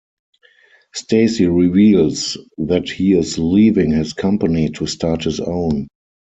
Stacy reveals that he is leaving his company to start his own.